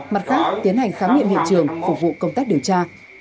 mặt khác tiến hành khám nghiệm hiện trường phục vụ công tác điều tra